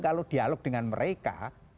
kalau dialog dengan mereka